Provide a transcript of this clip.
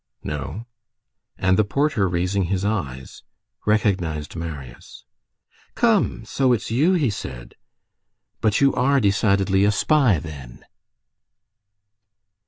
"No." And the porter, raising his eyes, recognized Marius. "Come! So it's you!" said he; "but you are decidedly a spy then?"